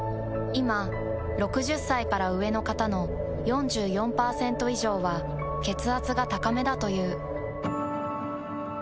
いま６０歳から上の方の４４％以上は血圧が高めだという。